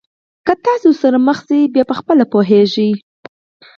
که تاسي ورسره مخ شوی بیا خپله پوهېږئ.